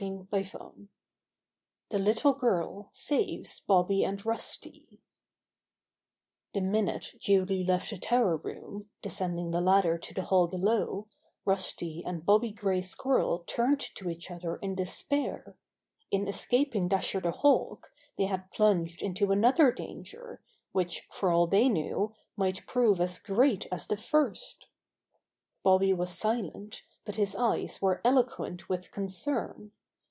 STORY III The Little Girl Saves Bobby and Rusty The minute Julie left the tower room, de scending the ladder to the hall below, Rusty and Bobby Gray Squirrel turned to each other in despair. In escaping Dasher the Hawk, they had plunged into another danger, which, for all they knew, might prove as great as the first. Bobby was silent, but his eyes were eloquent with concern.